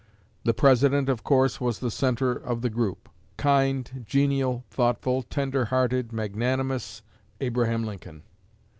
The President, of course, was the centre of the group kind, genial, thoughtful, tender hearted, magnanimous Abraham Lincoln!